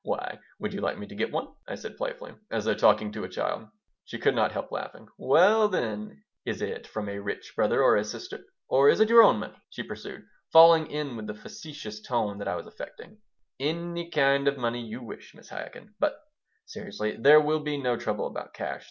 Why, would you like me to get one?" I said, playfully, as though talking to a child She could not help laughing. "Well, then, is it from a rich brother or a sister, or is it your own money?" she pursued, falling in with the facetious tone that I was affecting "Any kind of money you wish, Mrs. Chaikin. But, seriously, there will be no trouble about cash.